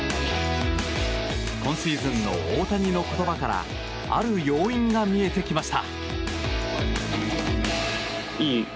今シーズンの大谷の言葉からある要因が見えてきました。